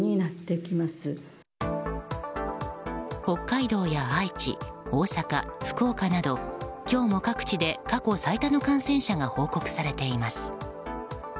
北海道や愛知、大阪福岡など今日も各地で過去最多の感染者が報告されています。